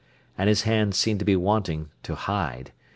And his hands seemed to be wanting to hide.